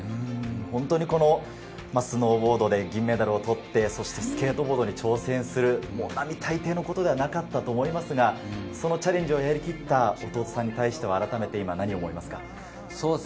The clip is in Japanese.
本当にスノーボードで銀メダルを取って、スケートボードで挑戦する、並大抵のことではなかったと思いますが、そのチャレンジをやりきった弟さんに対して何を思いますか。